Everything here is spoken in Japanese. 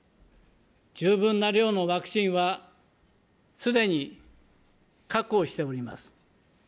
十分な量のワクチンは、すでに確保しております。